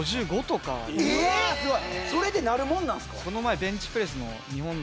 それでなるもんなんすか？